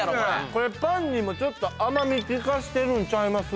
これパンにもちょっと甘みきかせてるんちゃいます？